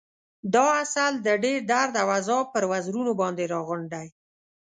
دا عسل د ډېر درد او عذاب پر وزرونو باندې راغونډ دی.